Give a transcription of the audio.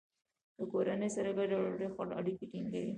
د کورنۍ سره ګډه ډوډۍ خوړل اړیکې ټینګوي.